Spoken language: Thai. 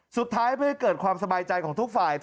สุดท้ายเพื่อให้เกิดความสบายใจของทุกฝ่าย